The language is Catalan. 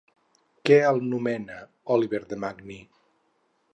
Què el nomena Olivier de Magny?